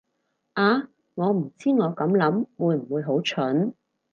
啊，我唔知我咁諗會唔會好蠢